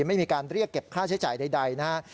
ไม่มีการเรียกเก็บค่าใช้จ่ายใดนะครับ